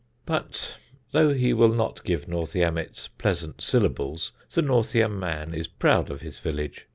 But though he will not give Northiam its pleasant syllables, the Northiam man is proud of his village.